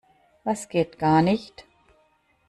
Was geht gar nicht?